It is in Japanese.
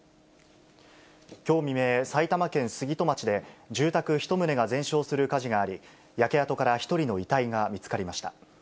きょう未明、埼玉県杉戸町で住宅１棟が全焼する火事があり、焼け跡から１人の遺体が見つかりました。